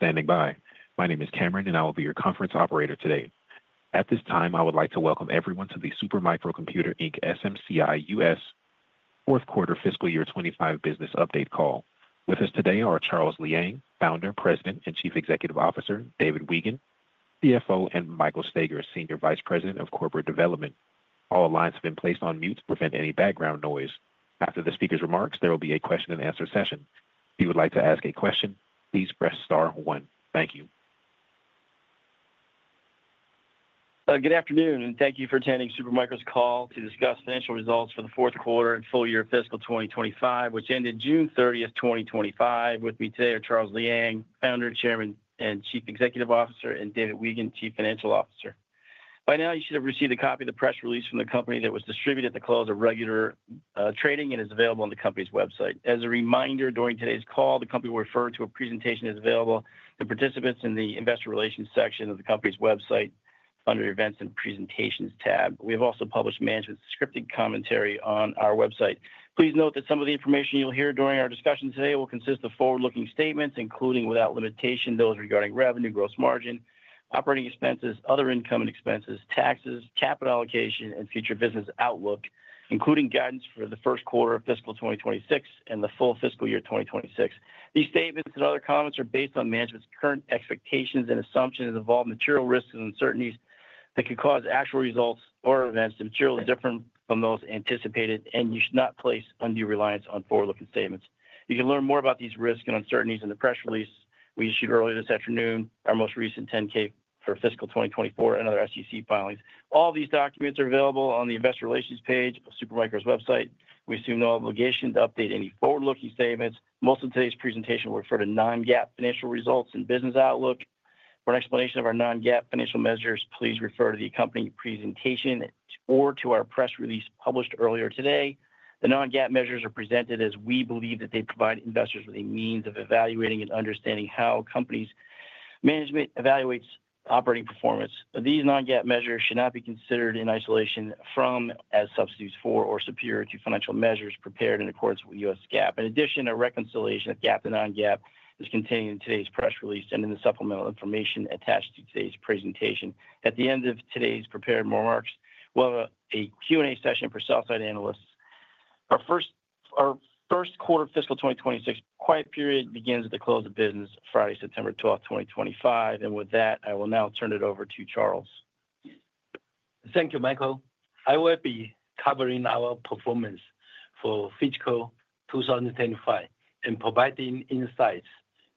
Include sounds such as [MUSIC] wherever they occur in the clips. Thank you for standing by. My name is Cameron and I will be your conference operator today. At this time I would like to welcome everyone to the Super Micro Computer Inc. SMCI U.S. fourth quarter fiscal year 2025 business update call. With us today are Charles Liang, Founder, President and Chief Executive Officer, David Weigand, CFO, and Michael Staiger, Senior Vice President of Corporate Development. All lines have been placed on mute to prevent any background noise. After the speakers' remarks, there will be a question-and-answer session. If you would like to ask a question, please press Star one. Thank you. Good afternoon and thank you for attending Super Micro Computer Inc.'s call to discuss financial results for the fourth quarter and full year fiscal 2025, which ended June 30th, 2025. With me today are Charles Liang, Founder, Chairman, President and Chief Executive Officer, and David Weigand, Chief Financial Officer. By now you should have received a copy of the press release from the company that was distributed at the close of regular trading and is available on the Company's website. As a reminder, during today's call, the Company will refer to a presentation that is available to participants in the Investor Relations section of the Company's website under the Events and Presentations tab. We have also published management's scripted commentary on our website. Please note that some of the information you'll hear during our discussion today will consist of forward-looking statements including, without limitation, those regarding revenue, gross margin, operating expenses, other income and expenses, taxes, capital allocation, and future business outlook, including guidance for the first quarter of fiscal 2026 and the full fiscal year 2026. These statements and other comments are based on management's current assumptions and involve material risks and uncertainties that could cause actual results or events to materially differ from those anticipated, and you should not place undue reliance on forward-looking statements. You can learn more about these risks and uncertainties in the press release we issued earlier this afternoon, our most recent 10-K for fiscal 2024, and other SEC filings. All these documents are available on the Investor Relations page of Supermicro's website. We assume no obligation to update any forward-looking statements. Most of today's presentation will refer to non-GAAP financial results and business outlook. For an explanation of our non-GAAP financial measures, please refer to the accompanying presentation or to our press release published earlier today. The non-GAAP measures are presented as we believe that they provide investors with a means of evaluating and understanding how company's management evaluates operating performance. These non-GAAP measures should not be considered in isolation from, as substitutes for, or superior to financial measures prepared in accordance with U.S. GAAP. In addition, a reconciliation of GAAP to non-GAAP is contained in today's press release and in the supplemental information attached to today's presentation. At the end of today's prepared remarks. We'll have a Q&A session for sell side analysts, our first quarter fiscal 2026 quiet period begins at the close of business Friday, September 12th, 2025, and with that I will now turn it over to Charles. Thank you, Michael. I will be covering our performance for fiscal 2025 and providing insights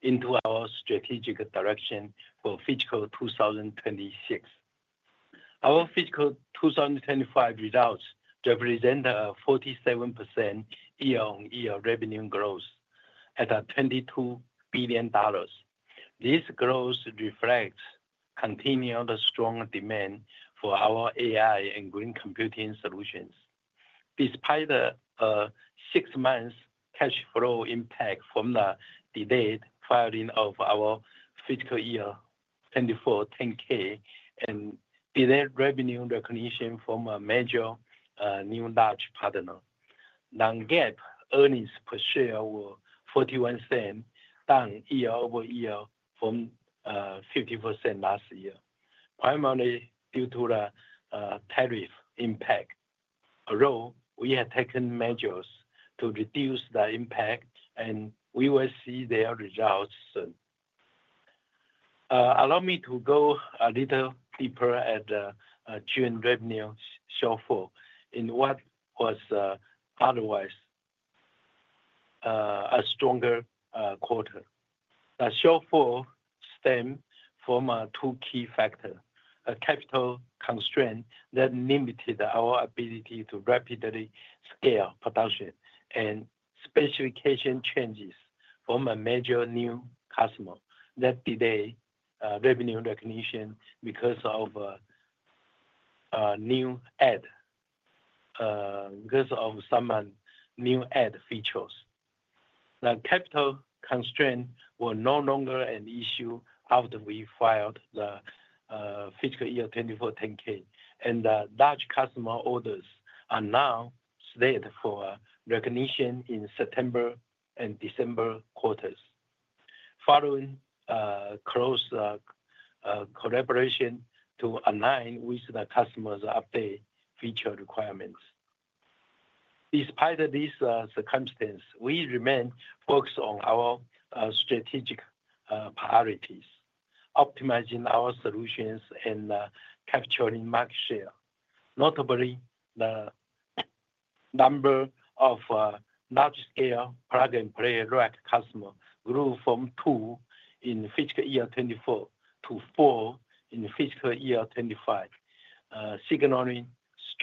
into our strategic direction for fiscal 2026. Our fiscal 2025 results represent a 47% year-on-year revenue growth at $22 billion. This growth reflects continued strong demand for our AI and green computing solutions. Despite six months cash flow impact from the delayed filing of our fiscal year 2024 10-K and delayed revenue recognition from a major new large partner, non-GAAP earnings per share were $0.41, down year-over-year from 50% last year, primarily due to the tariff impact, although we have taken measures to reduce the impact and we will see their results soon. Allow me to go a little deeper at the tune revenue shortfall in what was otherwise a stronger quarter. The shortfall stemmed from two key factors: a capital constraint that limited our ability to rapidly scale production and specification changes from a major new customer that delayed revenue recognition because of some new added features. The capital constraint was no longer an issue after we filed the fiscal year 2024 10-K, and large customer orders are now slated for recognition in September and December quarters following close collaboration to align with the customer's updated feature requirements. Despite these circumstances, we remain focused on our strategic priorities, optimizing our solutions and capturing market share. Notably, the number of large-scale paradigm play AI rack customers grew from 2 in fiscal year 2024 to 4 in fiscal year 2025,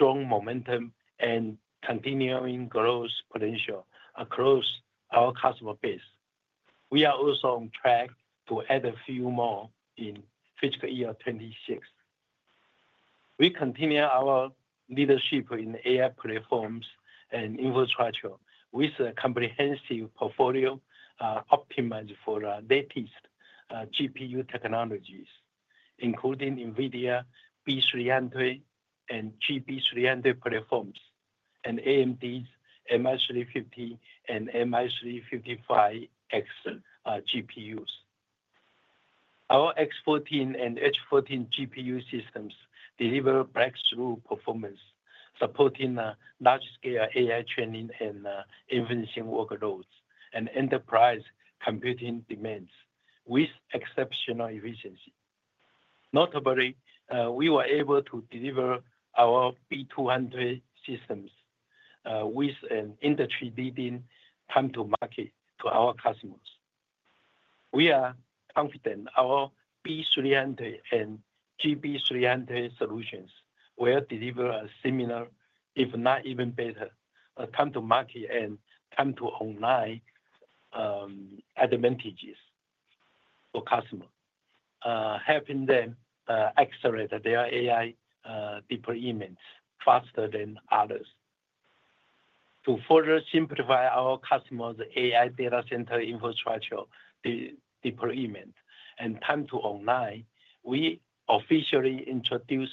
signaling strong momentum and continuing growth potential across our customer base. We are also on track to add a few more in fiscal year 2026. We continue our leadership in AI platforms and infrastructure with a comprehensive portfolio optimized for the latest GPU technologies, including NVIDIA B300 and GB300 platforms and AMD's MI350 and MI355X GPUs. Our X14 and H14 GPU systems deliver breakthrough performance, supporting large-scale AI training and inference workloads and enterprise computing demands with exceptional efficiency. Notably, we were able to deliver our B200 systems with an industry-leading time to market to our customers. We are confident our B300 and GB300 solutions will deliver a similar, if not even better, time to market and time to online advantages for customers, helping them accelerate their AI deployments faster than others. To further simplify our customers' AI data center infrastructure deployment and time to online, we officially introduced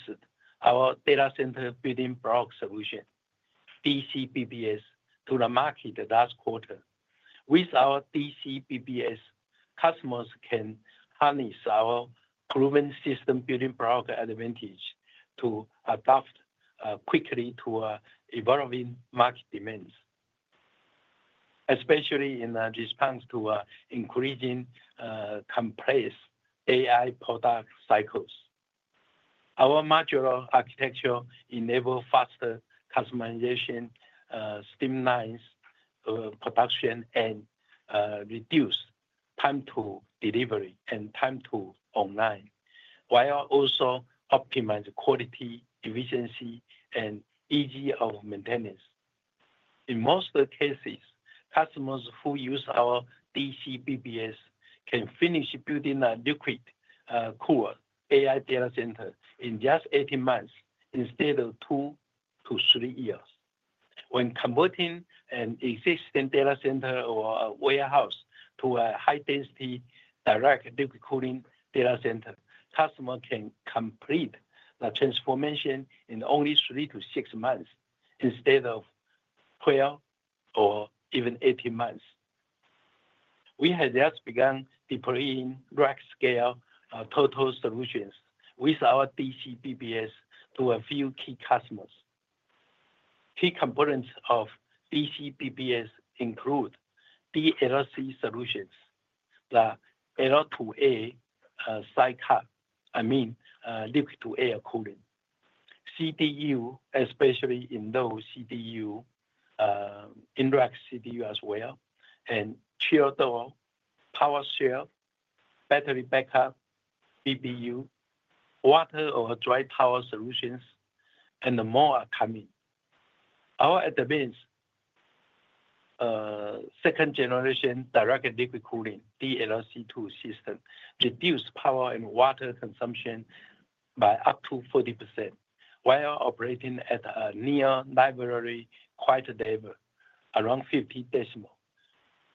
our Data Center Building Block Solution (DCBBS) to the market last quarter. With our DCBBS, customers can harness our proven system building block advantage to adapt quickly to evolving market demands, especially in response to increasing complex AI product cycles. Our modular architecture enables faster customization, streamlines production, and reduces time to delivery and time to online while also optimizing quality, efficiency, and ease of maintenance. In most cases, customers who use our DCBBS can finish building a liquid-cooled AI data center in just 18 months instead of 2-3 years. When converting an existing data center or warehouse to a high density direct liquid cooling data center, customers can complete the transformation in only 3-6 months instead of 12 or even 18 months. We had just begun deploying large scale total solutions with our DCBBS to a few key customers. Key components of DCBBS include direct liquid cooling (DLRC) solutions, the LR2A sidecar, liquid to air cooling CDU, especially indoor CDU, indirect CDU as well, and chill door, power share, battery backup, BPU, water or dry power solutions, and more are coming. Our admin's second generation direct liquid cooling (DLRC2) system reduces power and water consumption by up to 40% while operating at a near library quiet level around 50 decibel.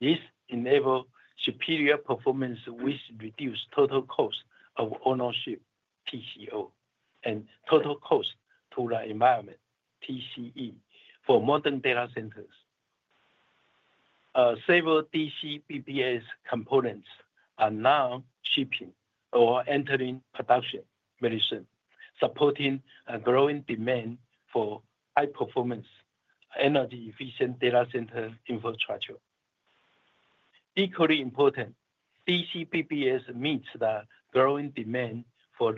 This enables superior performance which reduces total cost of ownership (TCO) and total cost to the environment (TCE) for modern data centers. Several DCBBS components are now shipping or entering production very soon, supporting a growing demand for high performance energy efficient data center infrastructure. Equally important, DCBBS meets the growing demand for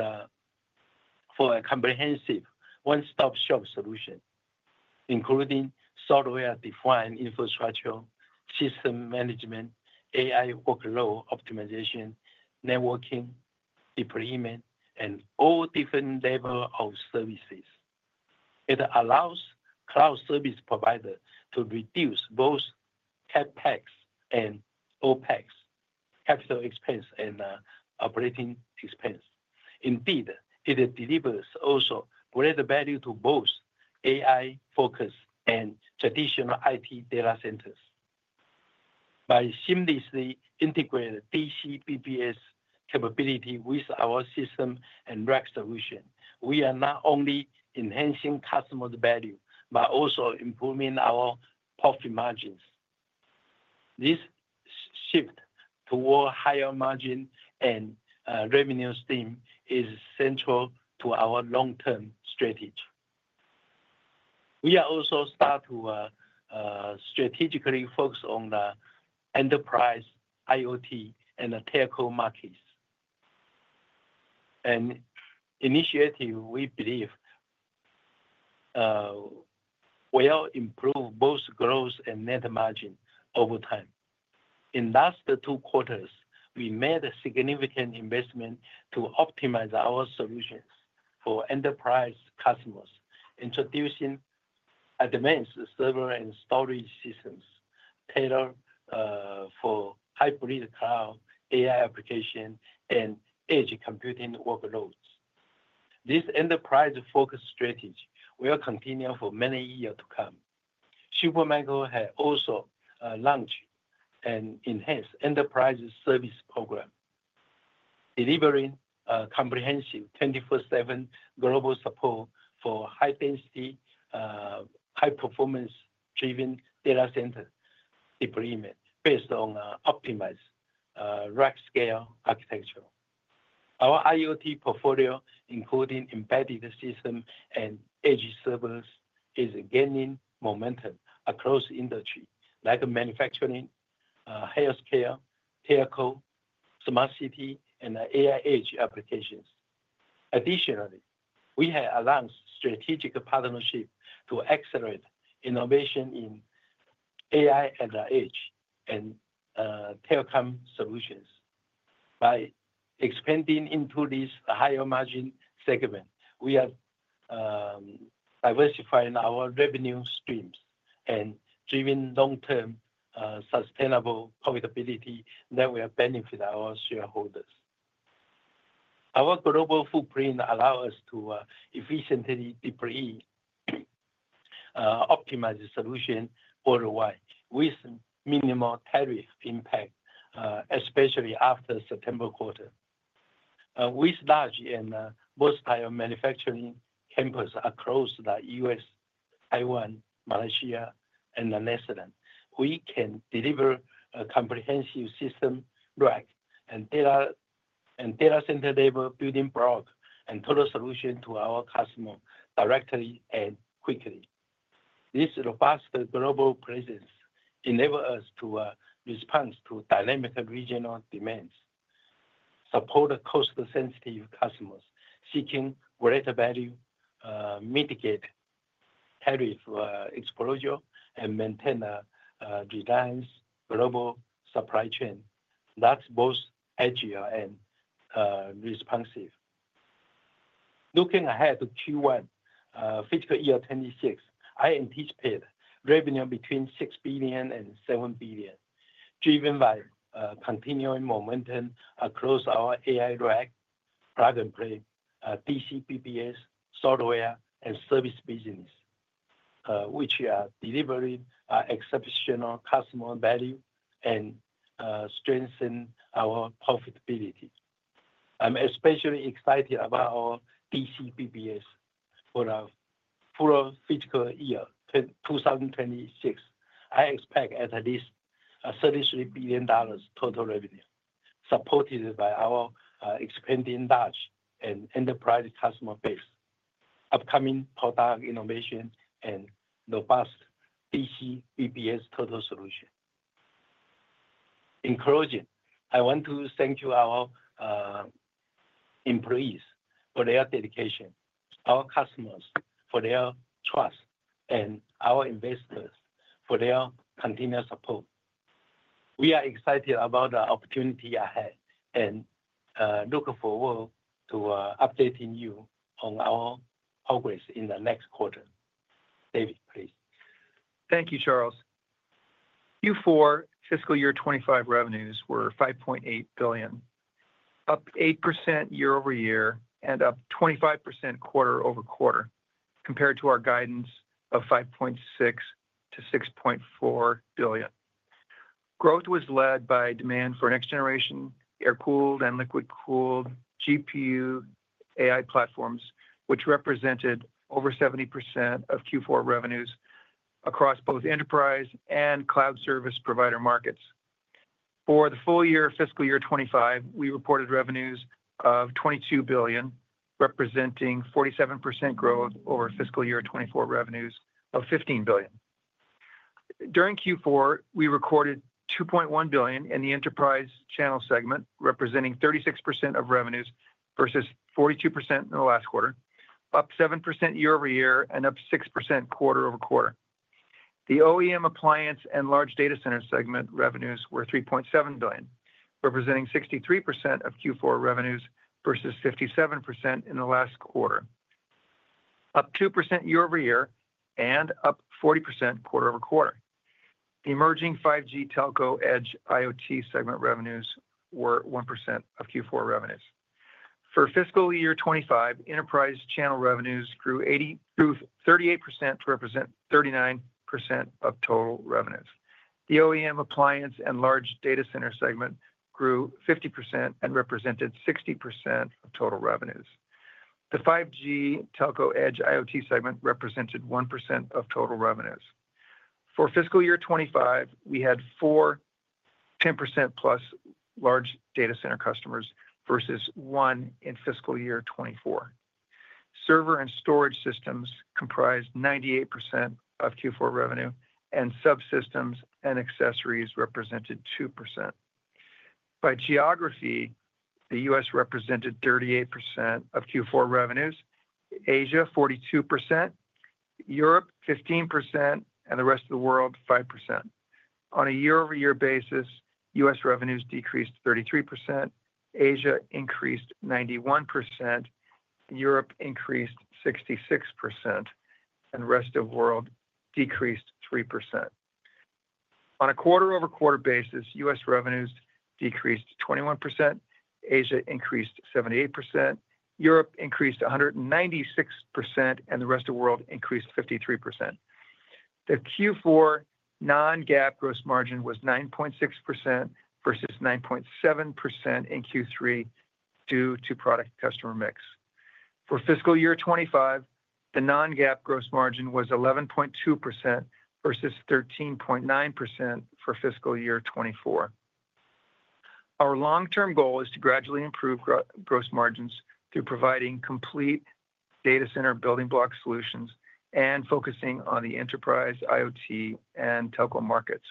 a comprehensive one stop shop solution including software-defined infrastructure, system management, AI workload optimization, networking, deployment, and all different levels of services. IT allows cloud service providers to reduce both CapEx and OpEx, capital expense and operating expense. Indeed, IT delivers also greater value to both AI focused and traditional IT data centers. By seamlessly integrating DCBBS capability with our system and rack solution, we are not only enhancing customers' value but also improving our profit margins. This shift toward higher margin and revenue stream is central to our long term strategy. We are also start to strategically focus on the enterprise, IoT, and telco markets, an initiative we believe will improve both growth and net margin over time. In last two quarters, we made a significant investment to optimize our solution for enterprise customers, introducing advanced server and storage systems tailored for hybrid cloud, AI application, and edge computing workloads. This enterprise focused strategy will continue for many years to come. Supermicro has also launched and enhanced enterprise service program delivering comprehensive 24/7 global support for high density, high performance driven data center deployment based on optimized rack scale architecture. Our IoT portfolio, including embedded system and edge servers, is gaining momentum across industry like manufacturing, health care, telco, smart city, and AI edge applications. Additionally, we have announced strategic partnership to accelerate innovation in AI at the edge and telecom solutions. By expanding into these higher margin segments, we are diversifying our revenue streams and driving long term sustainable profitability that will benefit our shareholders. Our global footprint allows us to efficiently depreciate, optimize the solution worldwide with minimal tariff impact, especially after September quarter. With large and multilevel manufacturing campus across the U.S., Taiwan, Malaysia, and Netherlands, we can deliver a comprehensive system block and data center level building block and total solution to our customer directly and quickly. This robust global presence enables us to respond to dynamic regional demands, support cost sensitive customers seeking greater value, mitigate tariff exposure, and maintain a reliable global supply chain that's both agile and responsive. Looking ahead to Q1 fiscal year 2026, I anticipate revenue between $6 billion and $7 billion driven by continuing momentum across our AI rack, plug and play DCBBS, software, and service business, which are delivering exceptional customer value and strengthen our profitability. I'm especially excited about our ECBs. For the full fiscal year 2026, I expect at least $33 billion total revenue supported by our expanding large and enterprise customer base, upcoming product innovation, and robust DCBBS total solution. In closing, I want to thank our employees for their dedication, our customers for their trust, and our investors for their continuous support. We are excited about the opportunity ahead and look forward to updating you on our progress in the next quarter. David, please. Thank you, Charles. Q4 fiscal year 2025 revenues were $5.8 billion, up 8% year-over-year and up 25% quarter-over-quarter compared to our guidance of $5.6 billion-$6.4 billion. Growth was led by demand for next generation air cooled and liquid cooled GPU AI platforms, which represented over 70% of Q4 revenues across both enterprise and cloud service provider markets. For the full year fiscal year 2025, we reported revenues of $22 billion, representing 47% growth over fiscal year 2024 revenues of $15 billion. During Q4, we recorded $2.1 billion in the enterprise channel segment, representing 36% of revenues versus 42% in the last quarter, up 7% year-over-year and up 6% quarter-over-quarter. The OEM appliance and large data center segment revenues were $3.7 billion, representing 63% of Q4 revenues versus 57% in the last quarter, up 2% year-over-year and up 40% quarter-over-quarter. Emerging 5G TelcoEdge IoT segment revenues were 1% of Q4 revenues for fiscal year 2025. Enterprise channel revenues grew 38% to represent 39% of total revenues. The OEM appliance and large data center segment grew 50% and represented 60% of total revenues. The 5G telco edge IoT segment represented 1% of total revenues for fiscal year 2025. We had four 10%+ large data center customers versus one in fiscal year 2024. Server and storage systems comprised 98% of Q4 revenue, and subsystems and accessories represented 2%. By geography, the U.S. represented 38% of Q4 revenues, Asia 42%, Europe 15%, and the rest of the world 5%. On a year-over-year basis, U.S. revenues decreased 33%, Asia increased 91%, Europe increased 66%, and rest of world decreased 3%. On a quarter-over-quarter basis, U.S. revenues decreased 21%, Asia increased 78%, Europe increased 196%, and the rest of world increased 53%. The Q4 non-GAAP gross margin was 9.6% versus 9.7% in Q3 due to product customer mix. For fiscal year 2025, the non-GAAP gross margin was 11.2% versus 13.9% for fiscal year 2024. Our long term goal is to gradually improve gross margins through providing complete Data Center Building Block Solutions and focusing on the enterprise, IoT, and telco markets.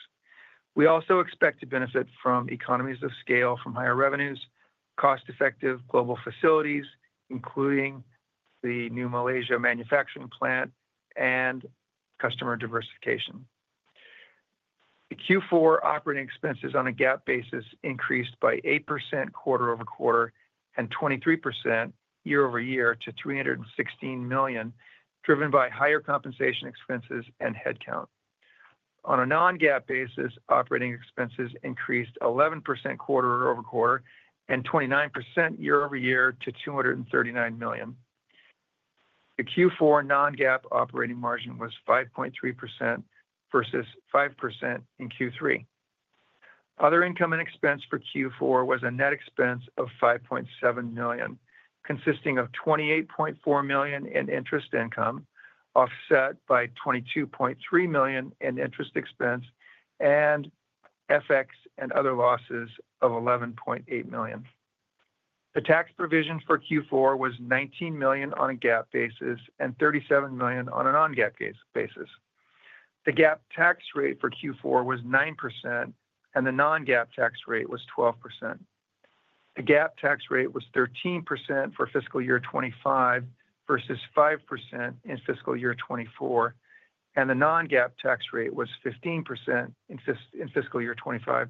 We also expect to benefit from economies of scale from higher revenues, cost effective global facilities including the new Malaysia manufacturing plant, and customer diversification. The Q4 operating expenses on a GAAP basis increased by 8% quarter-over-quarter and 23% year-over-year to $316 million, driven by higher compensation expenses and headcount. On a non-GAAP basis, operating expenses increased 11% quarter-over-quarter and 29% year-over-year to $239 million. The Q4 non-GAAP operating margin was 5.3% versus 5% in Q3. Other income and expense for Q4 was a net expense of $5.7 million, consisting of $28.4 million in interest income offset by $22.3 million in interest expense and FX and other losses of $11.8 million. The tax provision for Q4 was $19 million on a GAAP basis and $37 million on a non-GAAP basis. The GAAP tax rate for Q4 was 9% and the non-GAAP tax rate was 12%. The GAAP tax rate was 13% for fiscal year 2025 versus 5% in fiscal year 2024, and the non-GAAP tax rate was 15% in fiscal year 2025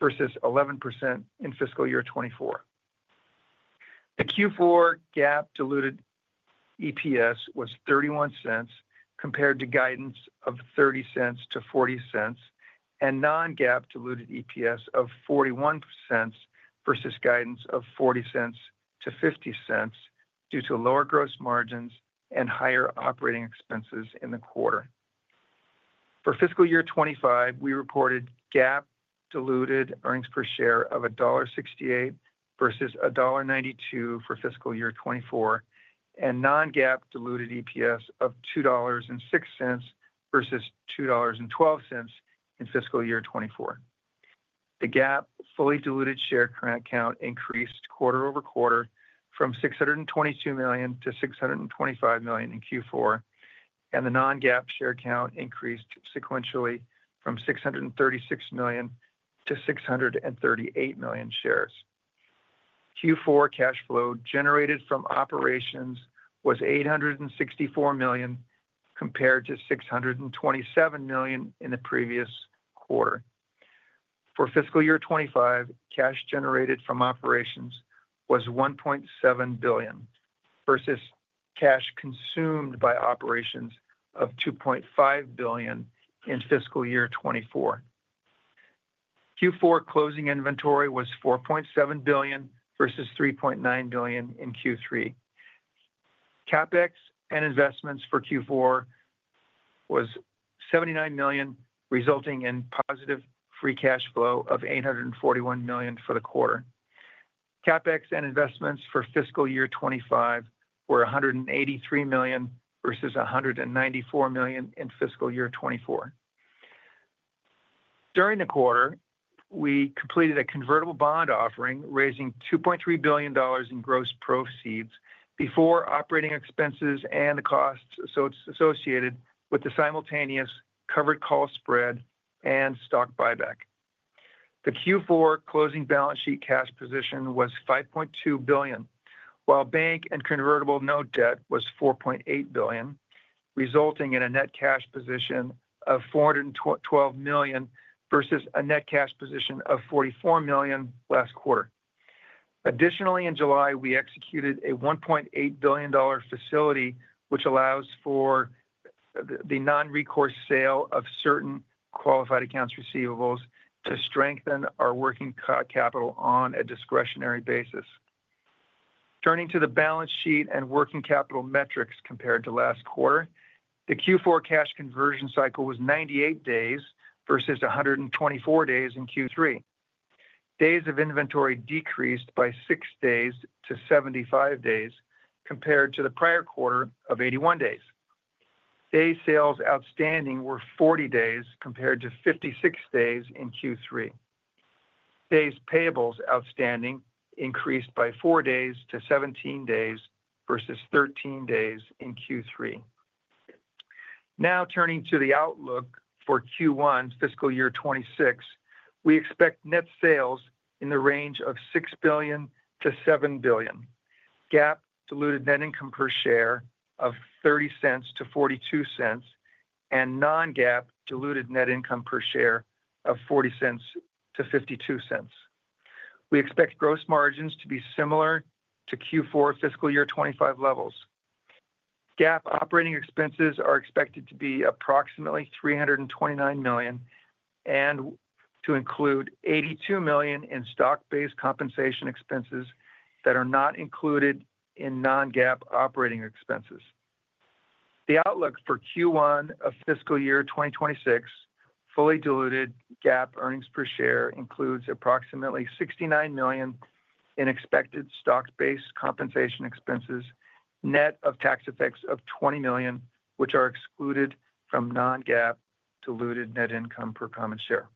versus 11% in fiscal year 2024. The Q4 GAAP diluted EPS was $0.31 compared to guidance of $0.30-$0.40, and non-GAAP diluted EPS of $0.41 versus guidance of $0.40-$0.50 due to lower gross margins and higher operating expenses in the quarter. For fiscal year 2025, we reported GAAP diluted earnings per share of $1.68 versus $1.92 for fiscal year 2024 and non-GAAP diluted EPS of $2.06 versus $2.12 in fiscal year 2024. The GAAP fully diluted share count increased quarter-over-quarter from 622 million-625 million in Q4, and the non-GAAP share count increased sequentially from 636 million-638 million shares. Q4 cash flow generated from operations was $864 million compared to $627 million in the previous quarter. For fiscal year 2025, cash generated from operations was $1.7 billion versus cash consumed by operations of $2.5 billion in fiscal year 2024. Q4 closing inventory was $4.7 billion versus $3.9 billion in Q3. CapEx and investments for Q4 was $79 million, resulting in positive free cash flow of $841 million for the quarter. CapEx and investments for fiscal year 2025 were $183 million versus $194 million in fiscal year 2024. During the quarter, we completed a convertible bond offering raising $2.3 billion in gross proceeds before operating expenses and the costs associated with the simultaneous covered call spread and stock buyback. The Q4 closing balance sheet cash position was $5.2 billion while bank and convertible note debt was $4.8 billion, resulting in a net cash position of $412 million versus a net cash position of $44 million last quarter. Additionally, in July we executed a $1.8 billion facility which allows for the non-recourse sale of certain qualified accounts receivables to strengthen our working capital on a discretionary basis. Turning to the balance sheet and working capital metrics, compared to last quarter, the Q4 cash conversion cycle was 98 days versus 124 days in Q3. Days of inventory decreased by 6 days-75 days compared to the prior quarter of 81 days. Days sales outstanding were 40 days compared to 56 days in Q3. Payables outstanding increased by 4 days-17 days versus 13 days in Q3. Now turning to the outlook for Q1 fiscal year 2026, we expect net sales to be in the range of $6 billion-$7 billion, GAAP diluted net income per share of $0.30-$0.42, and non-GAAP diluted net income per share of $0.40-$0.52. We expect gross margins to be similar to Q4 fiscal year 2025 levels. GAAP operating expenses are expected to be approximately $329 million and to include $82 million in stock-based compensation expenses that are not included in non-GAAP operating expenses. The outlook for Q1 of fiscal year 2026 fully diluted GAAP earnings per share includes approximately $69 million in expected stock-based compensation expenses net of tax effects of $20 million, which are excluded from non-GAAP diluted net income per common share.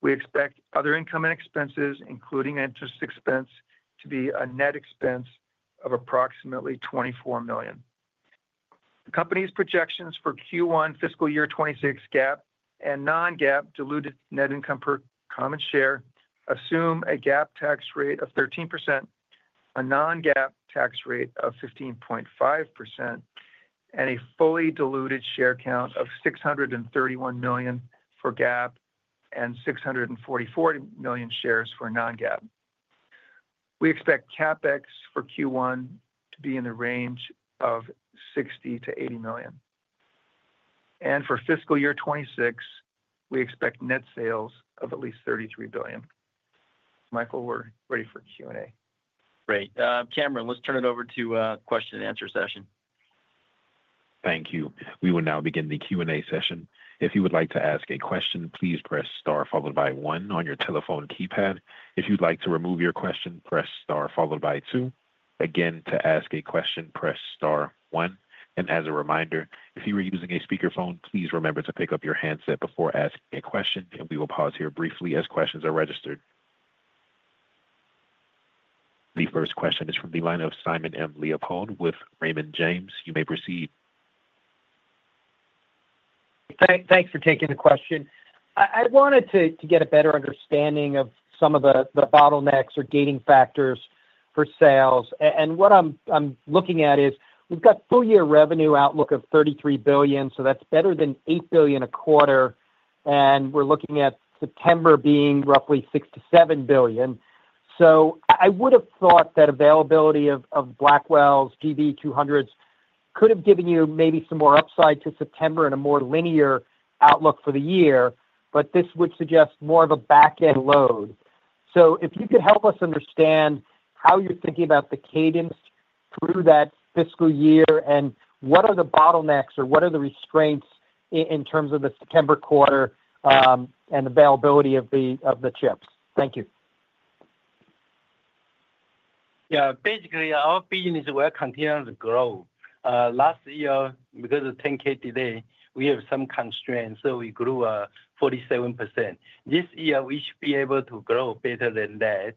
We expect other income and expenses, including interest expense, to be a net expense of approximately $24 million. The company's projections for Q1 fiscal year 2026 GAAP and non-GAAP diluted net income per common share assume a GAAP tax rate of 13%, a non-GAAP tax rate of 15.5%, and a fully diluted share count of 631 million for GAAP and 644 million shares for non-GAAP. We expect CapEx for Q1 to be in the range of $60 million-$80 million, and for fiscal year 2026 we expect net sales of at least $33 billion. Michael, we're ready for Q&A. Great, Cameron. Let's turn it over to the question-and-answer session. Thank you. We will now begin the Q&A session. If you would like to ask a question, please press star followed by one on your telephone keypad. If you'd like to remove your question, press star followed by two. Again, to ask a question, press star one. As a reminder, if you are using a speakerphone, please remember to pick up your handset before asking a question. We will pause here briefly as questions are registered. The first question is from the line of Simon Leopold with Raymond James. You may proceed. Thanks for taking the question. I wanted to get a better understanding of some of the bottlenecks or gating factors for sales and what I'm looking at is we've got full year revenue outlook of $33 billion, so that's better than $8 billion a quarter and we're looking at September being roughly $6 billion-$7 billion. I would have thought that availability of Blackwell's GB200s could have given you maybe some more upside to September and a more linear outlook for the year. This would suggest more of a back end load. If you could help us understand how you're thinking about the cadence through that fiscal year and what are the bottlenecks or what are the restraints in terms of the September quarter and availability of the chips. Thank you. Basically our business will continue to grow last year because of 10K. Today we have some constraints, so we grew 47% this year. We should be able to grow better than that.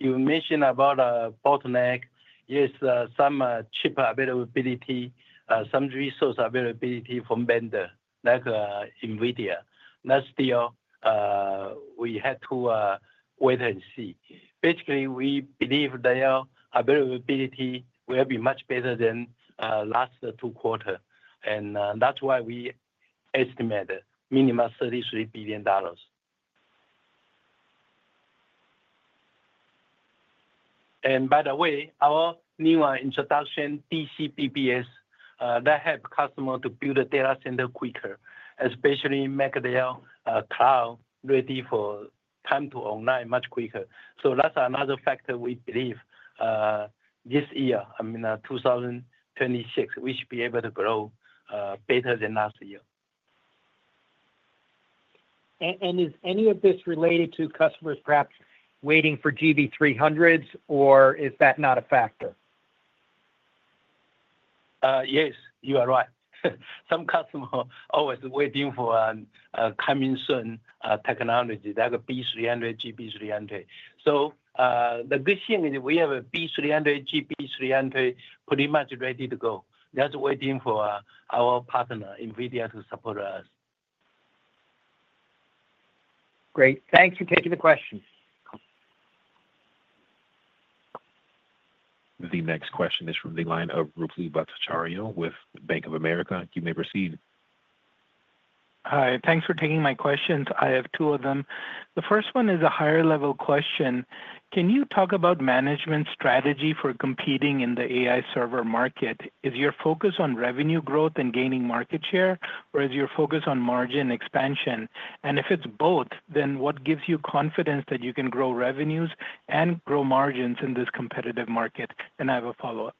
You mentioned about bottleneck. Yes, some chip availability, some resource availability from vendor like NVIDIA. Still we had to wait and see. Basically we believe their availability will be much better than last two quarter, and that's why we estimate minimum $3.3 billion. By the way, our new introduction, DCBBS, that help customer to build a data center quicker, especially make their cloud ready for time to online much quicker. That's another factor we believe this year, I mean 2026, we should be able to grow better than last year. Is any of this related to customers perhaps waiting for GB300s or is that not a factor? Yes, you are right. Some customers always waiting for coming soon technology like a B300, GB300. The good thing is we have a B300, GB300 pretty much ready to go, just waiting for our partner NVIDIA to support us. Great. Thanks for taking the question. The next question is from the line of Ruplu Bhattacharya with Bank of America. You may proceed. Hi, thanks for taking my questions. I have two of them. The first one is a higher level question. Can you talk about management's strategy for competing in the AI server market? Is your focus on revenue growth and gaining market share or is your focus on margin expansion? If it's both, what gives you confidence that you can grow revenues and grow margins in this competitive market? I have a follow up.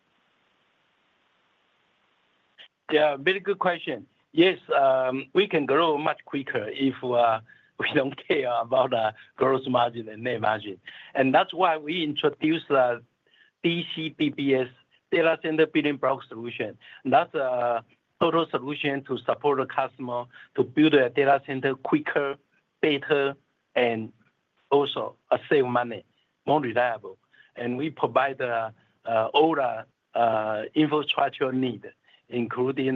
Very good question. Yes, we can grow much quicker if we don't care about gross margin and net margin. That's why we introduced that DCBBS Data Center Building Block Solution. That's a total solution to support a customer to build a data center quicker and also save money, more reliable. We provide all infrastructure need including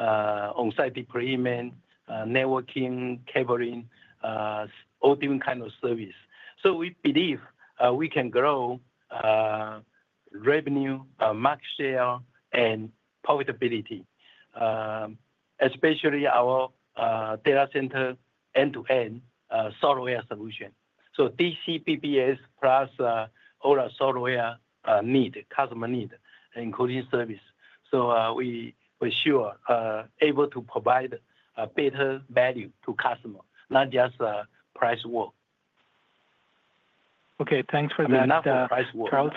on site deployment, networking, cabling, all different kind of service. We believe we can grow revenue, market share, and profitability, especially our data center end to end software solution. DCBBS plus all our software need customer need including service, so we sure able to provide a better value to customers, not just price woe. Okay, thanks for that.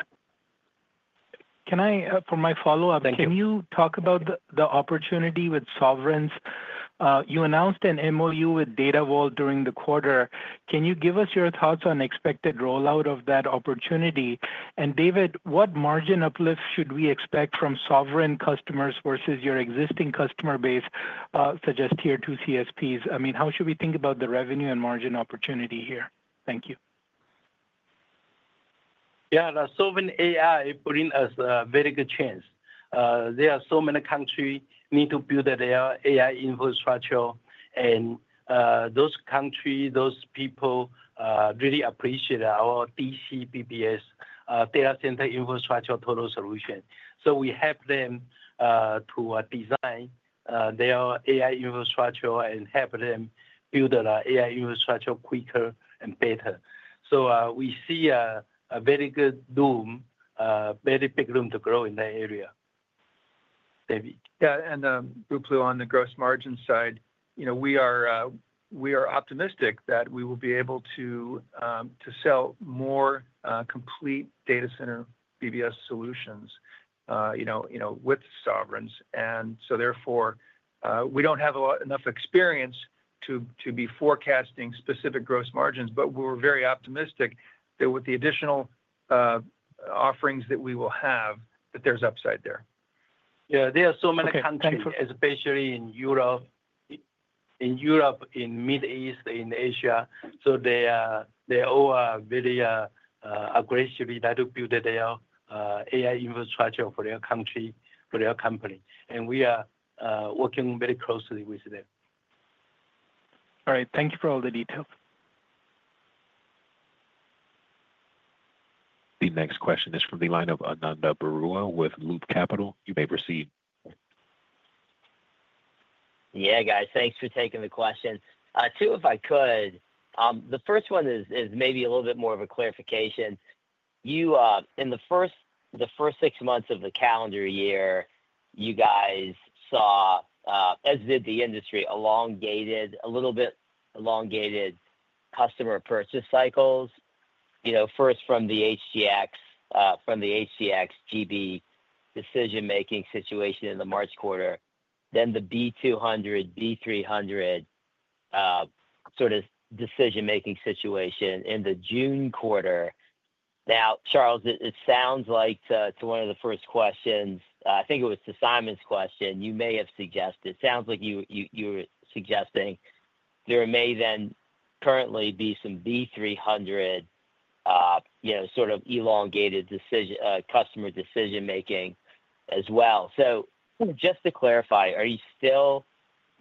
For my follow up, can you talk about the opportunity with sovereigns? You announced an MoU with DataVolt during the quarter. Can you give us your thoughts on expected rollout of that opportunity? David, what margin uplift should we expect from sovereign customers versus your existing customer base, such as tier 2 CSPs? How should we think about the revenue and margin opportunity? Thank you. Yeah, AI bring us a very good chance. There are so many country need to build their AI infrastructure, and those country, those people really appreciate our DCBBS data center infrastructure total solution. We help them to design their AI infrastructure and help them build AI infrastructure quicker and better. We see a very good room, very big room to grow in that area. David. Yeah, Ruplu, on the gross margin side, we are optimistic that we will be able to sell more complete Data Center Building Block Solution (DCBBS) solutions with sovereigns and therefore we don't have enough experience to be forecasting specific gross margins. We're very optimistic that with the additional offerings that we will have, there's upside there. Yeah, there are so many countries, especially in Europe, in the Middle East, in Asia. They all are very aggressively building their AI infrastructure for their country, for their company, and we are working very closely with them. All right, thank you for all the details. The next question is from the line of Ananda Baruah with Loop Capital. You may proceed. Yeah guys, thanks for taking the question. Two if I could, the first one is maybe a little bit more of a clarification. In the first six months of the calendar year you guys saw, as did the industry, a little bit elongated customer purchase cycles. First from the HCX, from the HCX GB decision making situation in the March quarter, then the B200, B300 sort of decision making situation in the June quarter. Now Charles, it sounds like to one of the first questions, I think it was to Simon's question, you may have suggested, sounds like you're suggesting there may then currently be some B300, you know, sort of elongated customer decision making as well. Just to clarify, are you still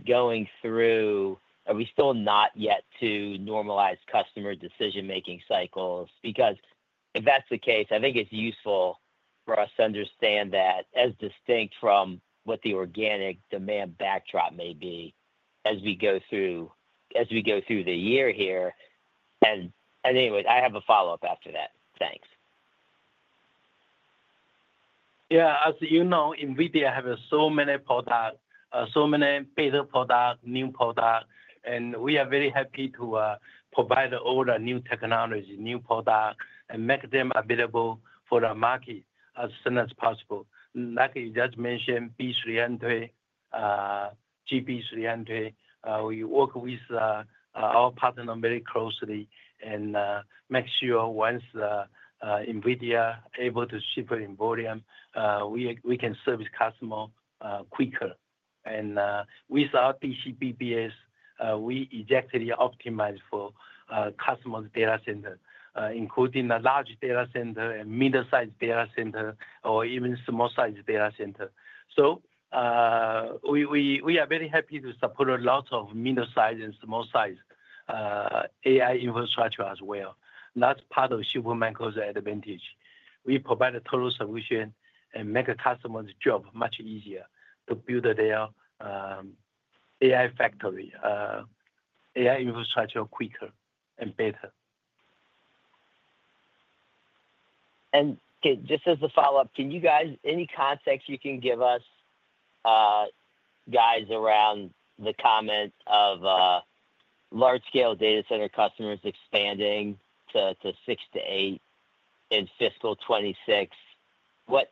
going through, are we still not yet to normalize customer decision making cycles? If that's the case, I think it's useful for us to understand that as distinct from what the organic demand backdrop may be as we go through the year here. Anyway, I have a follow up after that. Thanks. Yeah, as you know NVIDIA have so many products, so many better products, new product and we are very happy to provide all the new technology, new product and make them available for the market as soon as possible. Like you just mentioned, B300 entry, GB300 entry, we work with our partner very closely and make sure once NVIDIA able to ship in volume we can service customer quicker. With DCBBS we exactly optimize for customers' data center including a large data center and middle size data center or even small size data center. We are very happy to support a lot of middle size and small size AI infrastructure as well. That's part of Supermicro's advantage. We provide a total solution and make a customer's job much easier to build their AI factory, AI infrastructure quicker and better. Can you give any context you can give us around the comment of large scale data center customers expanding to 6-8 in fiscal 2026, what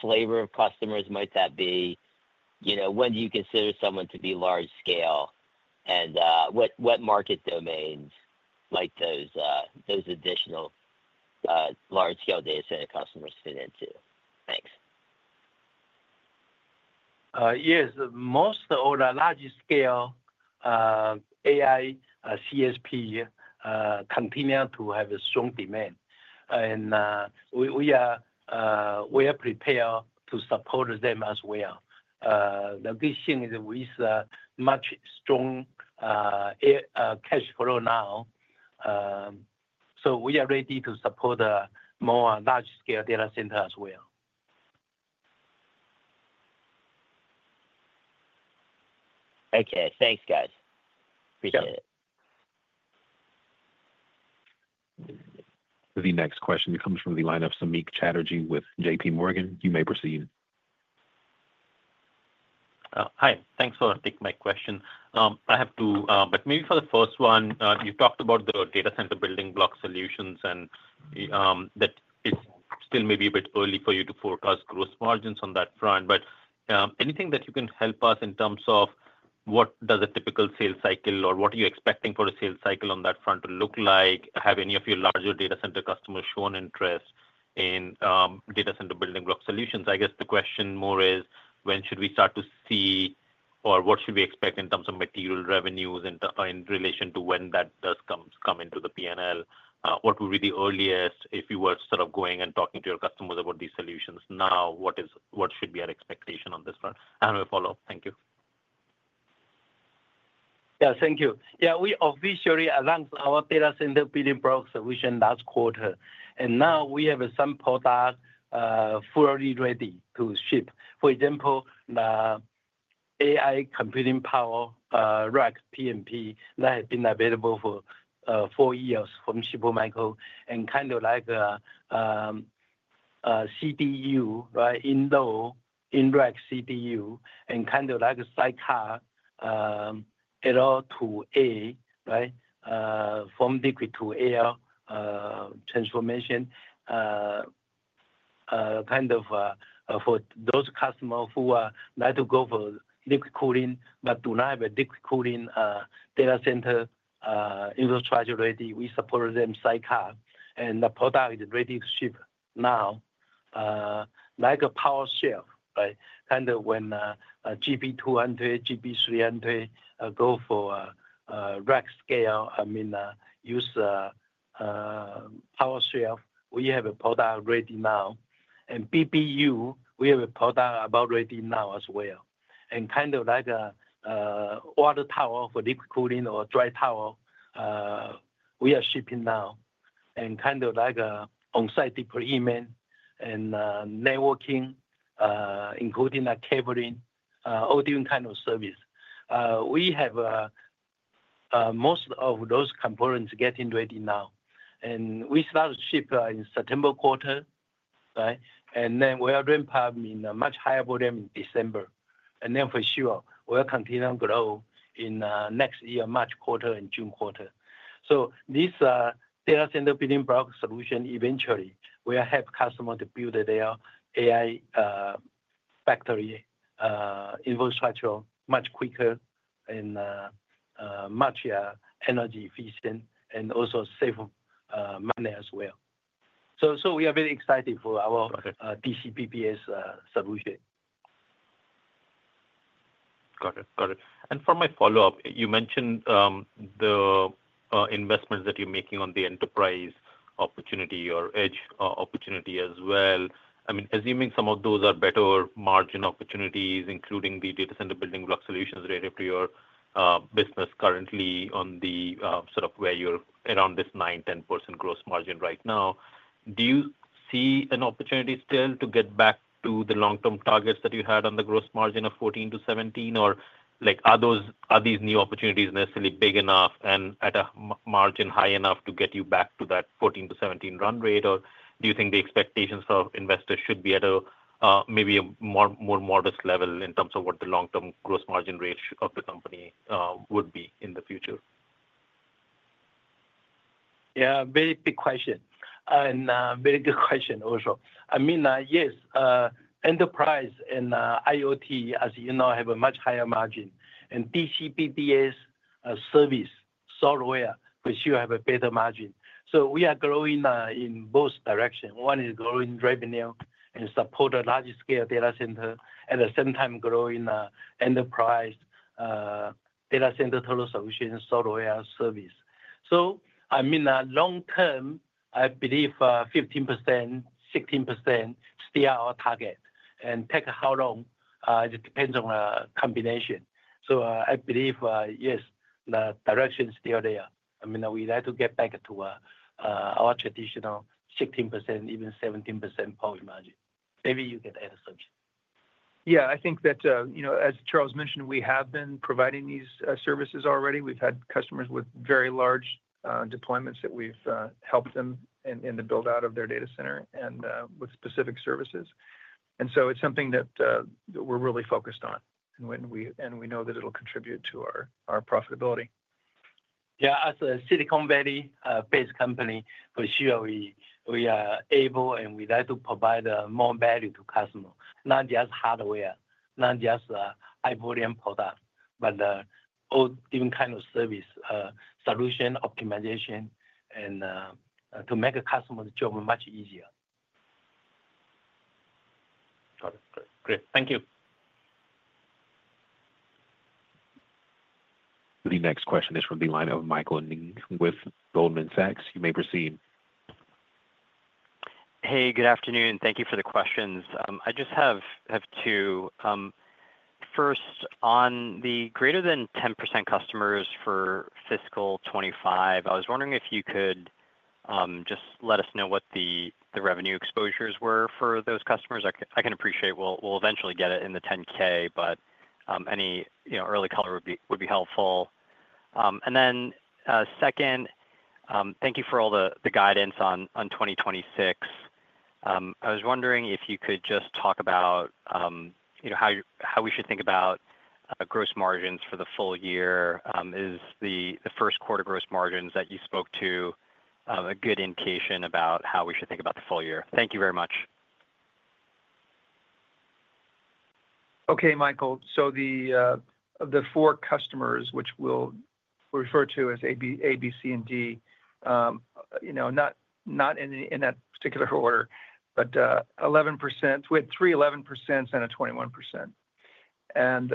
flavor of customers might that be? When do you consider someone to be large scale, and what market domains do those additional large scale data center customers fit into? Thanks. Yes, most of the large scale AI CSP continue to have a strong demand, and we are prepared to support them as well. The big thing is with much strong cash flow now, we are ready to support a more large scale data center as well. Okay, thanks guys. Appreciate it. The next question comes from the line of Samik Chatterjee with JPMorgan. You may proceed. Hi, thanks for taking my question. I have two, but maybe for the first one, you talked about the Data Center Building Block Solution and that it's still maybe a bit early for you to forecast gross margins on that front. Anything that you can help us in terms of what does a typical sales cycle or what are you expecting for a sales cycle on that front to look like? Have any of your larger data center customers shown interest in Data Center Building Block Solutions? I guess the question more is when should we start to see or what should we expect in terms of material revenues in relation to when that does come into the P&L? What would be the earliest if you were sort of going and talking to your customers about these solutions now, what should be our expectation on this front? And I have a follow-up. Thank you. Yeah, thank you. Yeah. We officially announced our Data Center Building Block Solution last quarter, and now we have some products fully ready to ship. For example, the AI computing power rack PMP that had been available for four years from Supermicro and kind of like CPU, right? Indoor indirect CPU and kind of like a sidecar LR2A, right? From liquid to air transformation, kind of for those customers who like to go for liquid cooling but do not have a deep cooling data center infrastructure ready, we support them sidecar, and the product is ready to ship now, like a power share, right? When GB200, GB300 go for rack scale, I mean use power share, we have a product ready now, and PPU we have a product about ready now as well, and kind of like a water tower for liquid cooling or dry tower. We are shipping now and kind of like on-site deployment and networking, including the cabling, all different kind of service. We have most of those components getting ready now, and we started shipping in September quarter, and then we are ramping up in a much higher volume in December, and for sure we'll continue to grow in next year March quarter and June quarter. This Data Center Building Block Solution eventually will help customers to build their AI factory infrastructure much quicker and much energy efficiency and also save money as well. We are very excited for our DCBBS solution. Got it, got it. And for my follow up, you mentioned the investments that you're making on the enterprise opportunity or edge opportunity as well. I mean, assuming some of those are better margin opportunities, including the Data Center Building Block Solutions relative to your business currently, on the sort of where you're around this 9%, 10% gross margin right now, do you see an opportunity still to get back to the long term targets that you had on the gross margin of 14%-17%? Are these new opportunities necessarily big enough and at a margin high enough to get you back to that 14%-17% run rate? Do you think the expectations of investors should be at maybe a more modest level in terms of what the long term gross margin range of the company would be in the future? Yeah, very big question and very good question also. I mean yes, enterprise and IoT as you know have a much higher margin and DCBBS service software we sure have a better margin. We are growing in both directions. One is growing revenue and support a large scale data center at the same time growing enterprise data center total solutions software service. I mean long term I believe 15%, 16% still our target and take how long it depends on a combination. I believe yes the direction is still there. I mean we like to get back to our traditional 16%, even 17% profit margin. Maybe you can add a search. Yeah, I think that, as Charles mentioned, we have been providing these services already. We've had customers with very large deployments that we've helped in the build out of their data center and with specific services. It's something that we're really focused on, and we know that it'll contribute to our profitability. Yeah. As a Silicon Valley-based company, for coexist we are able and we like to provide more value to customer, not just hardware, not just high volume product, but all different kind of service solution optimization, and to make a customer's job much easier. Got it. Great. Thank you. The next question is from the line of Michael Ng with Goldman Sachs. You may proceed. Hey, good afternoon. Thank you for the questions. I just have two. First, on the greater than 10% customers for fiscal 2025, I was wondering if you could just let us know what the revenue exposures were for those customers. I can appreciate we'll eventually get it in the 10-K, but any early color would be helpful. Second, thank you for all the guidance on 2026. I was wondering if you could just talk about how we should think about gross margins for the full year. Is the first quarter gross margins that you spoke to a good indication about how we should think about the full year? Thank you very much. Okay, Michael, so the four customers which we'll refer to as A, B, C, and D, not in that particular order, but 11%, we had three 11% and a 21%. As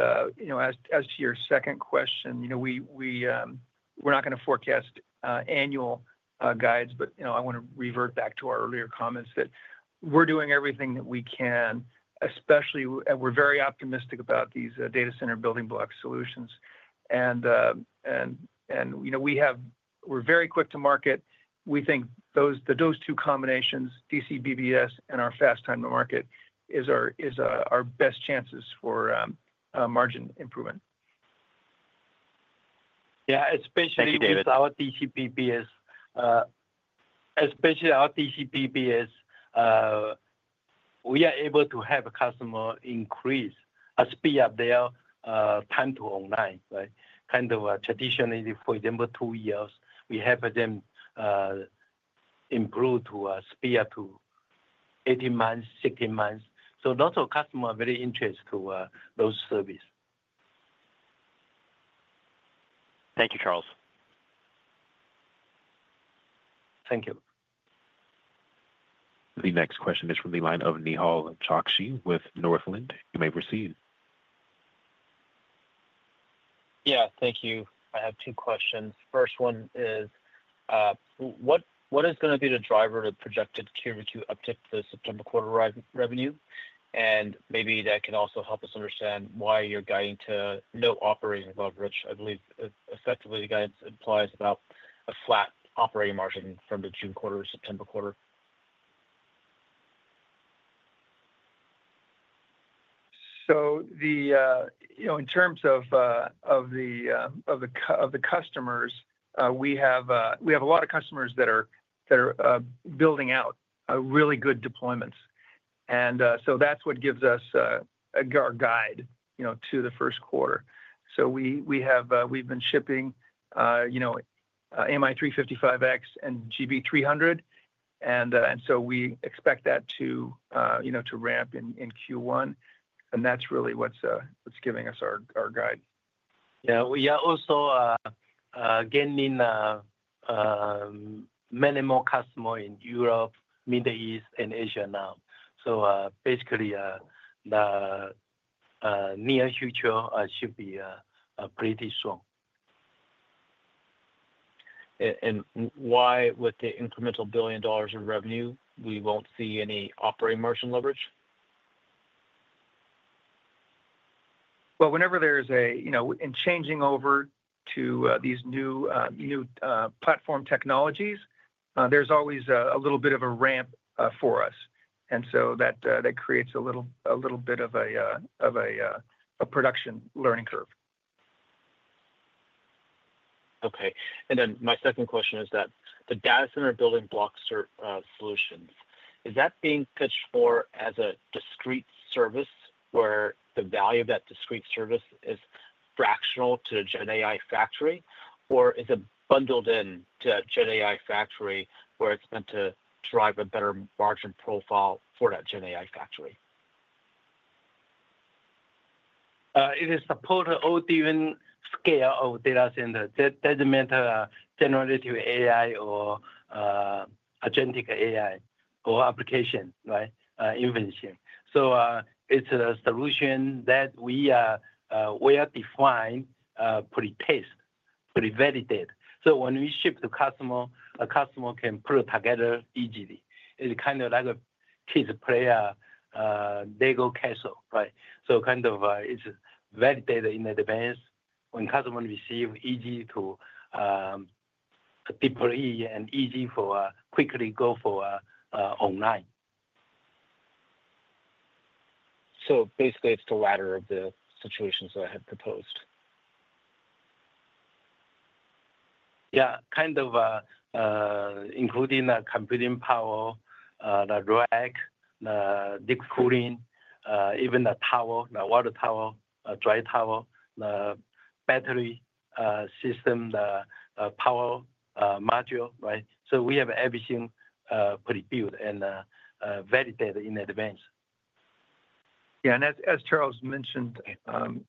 to your second question, we're not going to forecast annual guides. I want to revert back to our earlier comments that we're doing everything that we can. Especially, we're very optimistic about these Data Center Building Block Solutions, and we're very quick to market. We think those two combinations, DCBBS and our fast time to market, are our best chances for margin improvement. Yeah, it's basically our DCBBS, especially our DCBBS. We are able to have a customer increase speed of their time to online. Traditionally, for example, two years, we have them improved to speed up to 18 months, 16 months. Lots of customers are very interested to those service. Thank you, Charles. Thank you. The next question is from the line of Nehal Sushil Chokshi with Northland. You may proceed. Yeah, thank you. I have two questions. First one is what is going to be the driver to projected Q2 uptick, the September quarter revenue. Maybe that can also help us understand why you're guiding to no operating leverage. I believe effectively the guidance implies about a flat operating margin from the June quarter, September quarter. In terms of the customers we have, we have a lot of customers that are building out really good deployments. That's what gives us a guide to the first quarter. We have been shipping MI355X and GB300, and we expect that to ramp in Q1, and that's really what's giving us our guide. Yeah. We are also gaining many more customers in Europe, Middle East, and Asia now. Basically, the near future should be pretty strong. With the incremental $1 billion in revenue, we won't see any operating margin leverage? Whenever there is a changeover to these new platform technologies, there's always a bit of a ramp for us. That creates a little bit of a production learning curve. Okay. And then my second question is that the Data Center Building Block Solution, is that being pitched more as a discrete service where the value of that discrete service is fractional to the GenAI factory, or is it bundled into GenAI factory where it's meant to drive a better margin profile for that GenAI factory? It is support all different scale of data center. That doesn't mean generative AI or agentic AI or application. Right. Inventory. It's a solution that we are well defined, pre-test, pre-validate. When we ship to customer, a customer can put it together easily. It's kind of like a kid's player Lego castle. It's validated in advance. When customers receive, easy to deploy and easy for quickly go for online. So, basically, it's the latter of the situation I had proposed? Yeah, kind of including the computing power, the rack, the deep cooling, even the tower, the water tower, dry tower, the battery system, the power module. We have everything pretty built and validated in advance. As Charles mentioned, time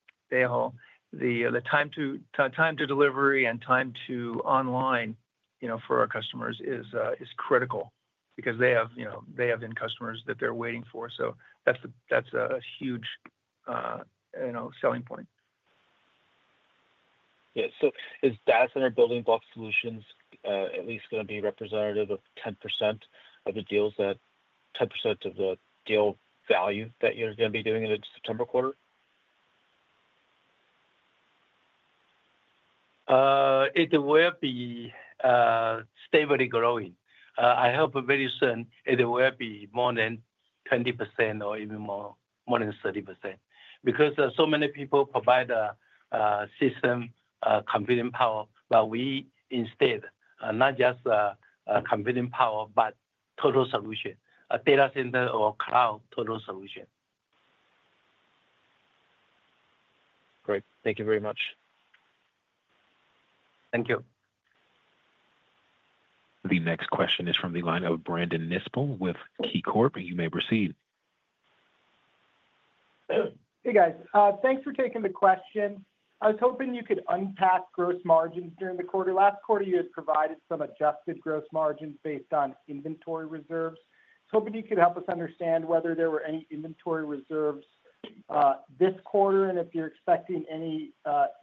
to delivery and time to online for our customers is critical because they have end customers that they're waiting for. That's a huge selling point. Yeah. Is Data Center Building Block Solution at least going to be representative of 10% of the deals, that 10% of the deal value that you're going to be doing in the September quarter? It will be stably growing, I hope, very soon. It will be more than 20% or even more than 30% because so many people provide system computing power. We instead not just computing power, but total solution, a data center or cloud. Total solution. Great. Thank you very much. Thank you. The next question is from the line of Brandon Nispel with KeyCorp. You may proceed. Hey guys, thanks for taking the question. I was hoping you could unpack gross margins during the quarter. Last quarter you had provided some adjusted gross margins based on inventory reserves, so that you could help us understand whether there were any inventory reserves this quarter and if you're expecting any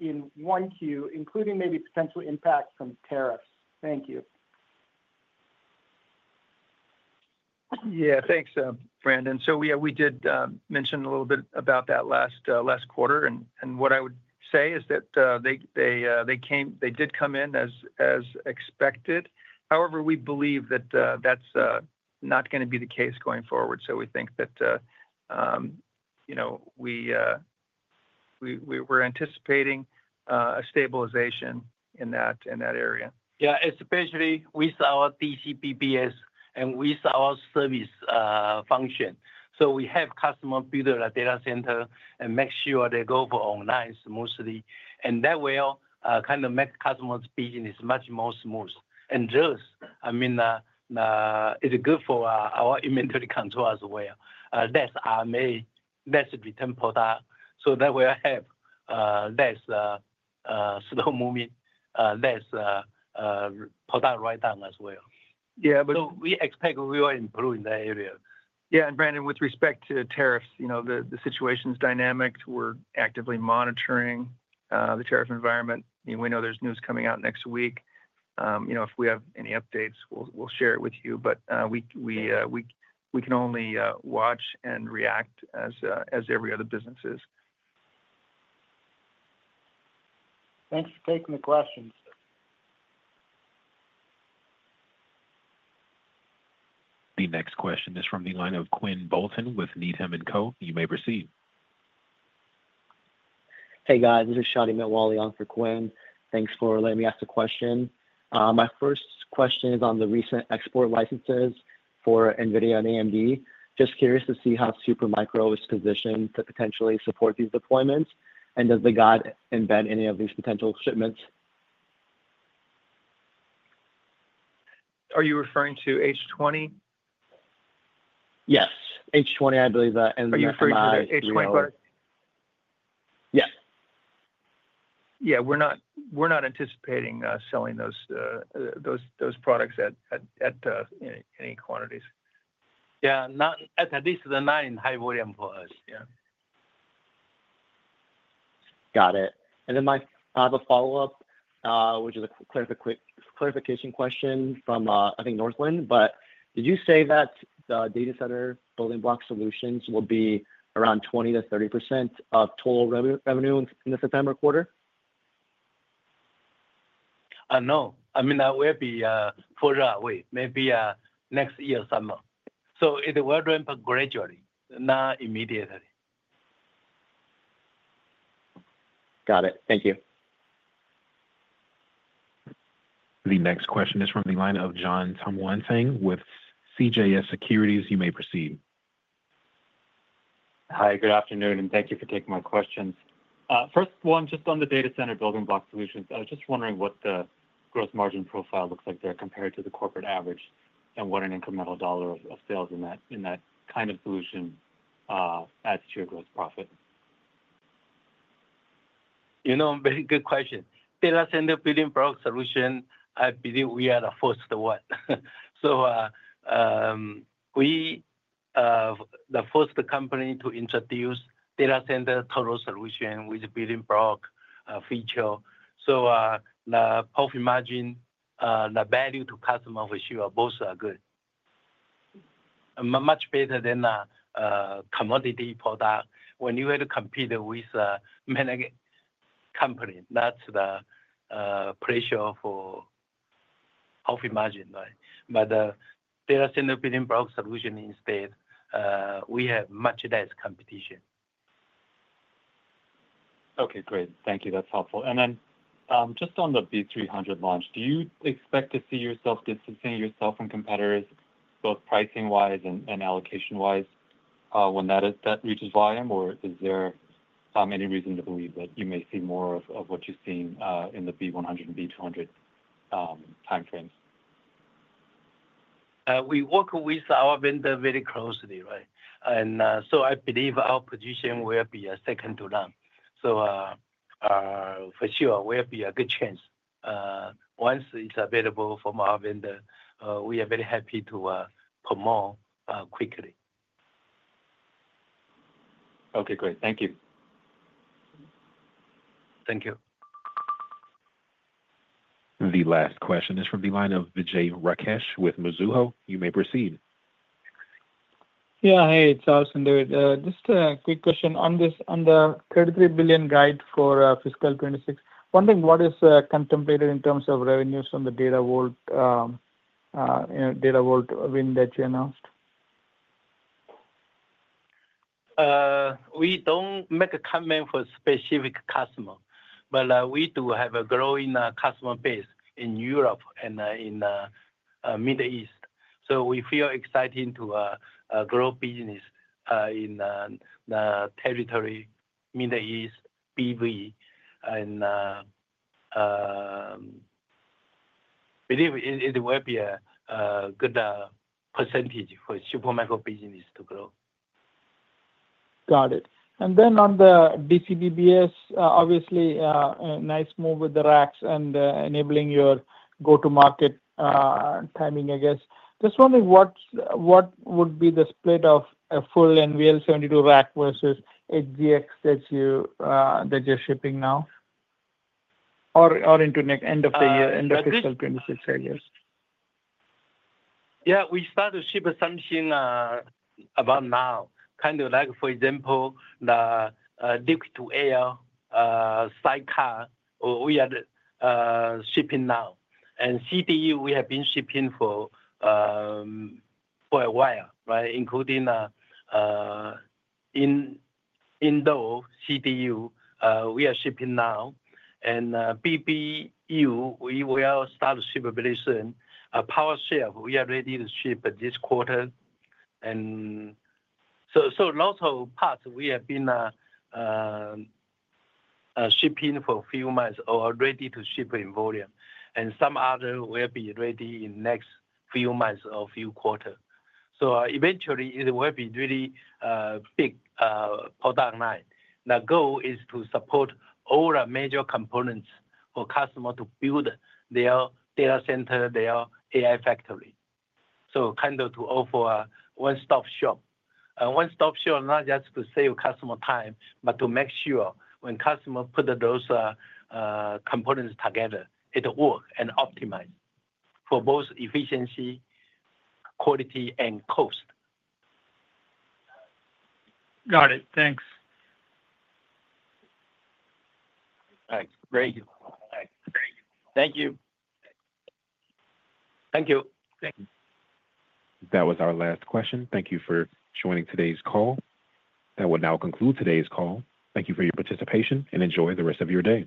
in 1Q, including maybe potential impacts from tariffs. Thank you. Yeah, thanks, Brandon. We did mention a little bit about that last quarter, and what I would say is that they did come in as expected. However, we believe that that's not going to be the case going forward. We think that, you know, we were anticipating a stabilization in that area. Yeah. Especially with our DCBBS and with our service function. We have customers build a data center and make sure they go for online mostly, and that will kind of make customers' business much more smooth. I mean, it's good for our inventory control as well. That's our main return product. That will help less slow movement. That's product write-down as well. We expect we will improve in that area. Yeah. With respect to tariffs, the situation's dynamic. We're actively monitoring the tariff environment. We know there's news coming out next week. If we have any updates, we'll share it with you. We can only watch and react as every other business is. Thanks for taking the questions. The next question is from the line of Quinn Bolton with Needham & Co. You may proceed. Hey guys, this is [CROSSTALK] on for Quinn. Thanks for letting me ask a question. My first question is on the recent export licenses for NVIDIA and AMD. Just curious to see how Super Micro is positioned to potentially support these deployments. Does the guide embed any of these potential shipments? Are you referring to H20? Yes. H200, I believe. Are you referring to H200 product? Yes. Yeah, we're not anticipating selling those products at any quantities. Yeah, not at least the nine high volume for us, yeah. Got it. I have a follow up which is a clarification question from I think Northland, but did you say that the Data Center Building Block Solutions will be around 20%-30% of total revenue in the September quarter? No, I mean it will be further away, maybe next year somehow. It will ramp up gradually, not immediately. Got it. Thank you. The next question is from the line of Jon Tanwanteng with CJS Securities. You may proceed. Hi, good afternoon and thank you for taking my questions. First one just on the Data Center Building Block Solution. I was just wondering what the gross margin profile looks like there compared to the corporate average, and what an incremental dollar of sales in that kind of solution adds to your gross profit? Very good question. Data Center Building Block Solution. I believe we are the first one. We are the first company to introduce data center total solution with building block feature. The profit margin, the value to customer for sure both are good. Much better than commodity product when you have to compete with many companies, that's the pressure for profit margin. The Data Center Building Block Solution instead, we have much less competition. Okay, great, thank you, that's helpful. Just on the B300 launch, do you expect to see yourself get sustained yourself from competitors both pricing wise and allocation wise when that reaches volume or is there any reason to believe that you may see more of what you've seen in the B100 and the B200 time frames? We work with our vendor very closely. I believe our position will be second to none. For sure, there will be a good chance once it's available from our vendor. We are very happy to promote quickly. Okay, great. Thank you. Thank you. The last question is from the line of Vijay Raghavan Rakesh with Mizuho. You may proceed. Yeah, hey, Charles and David. Just a quick question on this. On the $33 billion guide for fiscal 2026, wondering what is contemplated in terms of revenues on the DataVolt win that you announced. We don't make a comment for specific customer, but we do have a growing customer base in Europe and in Middle East. We feel exciting to grow business in the territory Middle East BV and believe it will be a good percentage for Supermicro business to grow. Got it. And then on the DCBBS, obviously nice move with the racks and enabling your go-to-market timing. I guess just wondering what would be the split of a full NVL72 rack versus HDX that you're shipping now or into the end of the year of fiscal 2026, I guess. Yeah, we started to ship something about now. For example, the LR2A sidecar we are shipping now and CDU we have been shipping for a while, right. Including indoor CDU we are shipping now and DCBBS we will start shipping. Power share we are ready to ship this quarter, so lots of parts we have been shipping for a few months already to ship in volume and some others will be ready in next few months or few quarters. Eventually it will be a really big product line. The goal is to support all the major components for customers to build their data center, their AI factory. To offer one stop shop. One stop shop, not just to save customer time, but to make sure when customer put those components together it works and optimizes for both efficiency, quality, and cost. Got it. Thanks. Thank you. Thank you. That was our last question. Thank you for joining today's call. That will now conclude today's call. Thank you for your participation and enjoy the rest of your day.